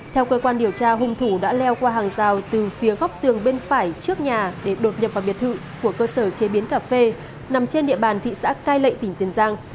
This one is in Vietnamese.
theo cơ quan điều tra hung thủ đã leo qua hàng rào từ phía góc tường bên phải trước nhà để đột nhập vào biệt thự của cơ sở chế biến cà phê nằm trên địa bàn thị xã cai lệ tỉnh tiền giang